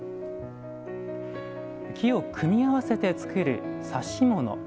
木を組み合わせて作る指物。